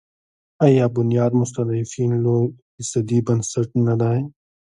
آیا بنیاد مستضعفین لوی اقتصادي بنسټ نه دی؟